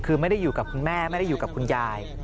คือไม่ได้อยู่กับคุณแม่ไม่ได้อยู่กับคุณยาย